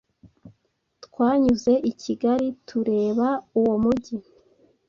twanyuze i Kigali tureba uwo mugi